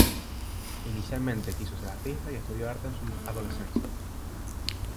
Inicialmente quiso ser artista y estudió arte en su adolescencia.